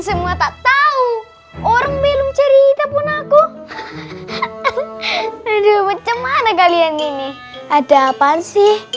semua tak tahu orang belum cerita pun aku udah bagaimana kalian ini ada apaan sih